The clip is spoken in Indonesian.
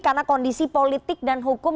karena kondisi politik dan hukum